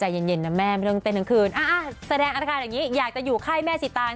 ใจเย็นนะแม่ไม่ต้องเต้นทั้งคืนแสดงอัตภัยแบบนี้อยากจะอยู่ใคร่แม่สิตา